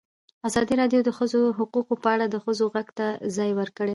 ازادي راډیو د د ښځو حقونه په اړه د ښځو غږ ته ځای ورکړی.